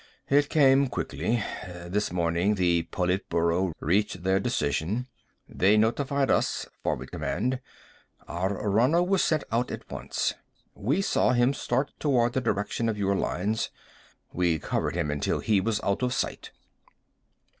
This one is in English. "It came quickly. This morning the Politburo reached their decision. They notified us forward command. Our runner was sent out at once. We saw him start toward the direction of your lines. We covered him until he was out of sight."